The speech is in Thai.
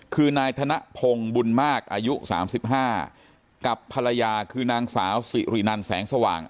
คือนายธนพงศ์บุญมากอายุ๓๕กับภรรยาคือนางสาวสิรินันแสงสว่าง